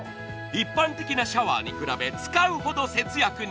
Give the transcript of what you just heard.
一般的なシャワーに比べ使うほど節約に。